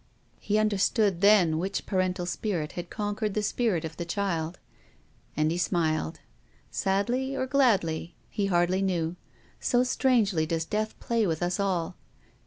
He understood then which parental spirit had conquered the spirit of the child, and he smiled — sadly or gladly ? He hardly knew. So strangely does death play with us all.